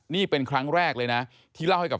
นี่เป็นครั้งแรกเลยนะที่เล่าให้กับ